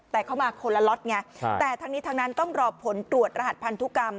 แต่เข้ามาคนละล็อตไงแต่ทั้งนี้ทั้งนั้นต้องรอผลตรวจรหัสพันธุกรรม